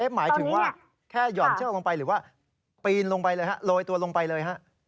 หมายถึงว่าแค่หย่อนเชือกลงไปหรือว่าปีนลงไปเลยฮะโรยตัวลงไปเลยฮะ